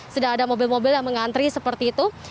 sudah ada mobil mobil yang mengantri seperti itu